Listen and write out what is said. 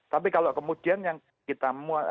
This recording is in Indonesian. tapi kalau kemudian yang kita